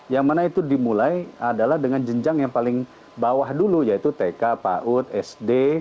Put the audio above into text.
yang mana itu dimulai adalah dengan jenjang yang paling bawah dulu yaitu tk paud sd